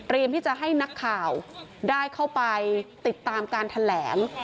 ที่จะให้นักข่าวได้เข้าไปติดตามการแถลง